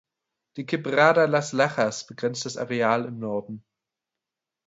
Die Quebrada Las Lajas begrenzt das Areal im Norden.